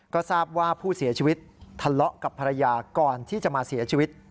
ก็ทราบว่าผู้เสียชีวิตทะเลาะกับภรรยาก่อนที่จะมาเสียชีวิต